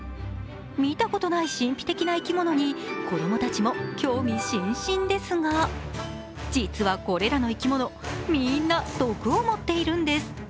見たことない神秘的な生き物に子供たちも興味津々ですが、実は、これらの生き物みんな毒を持っているんです。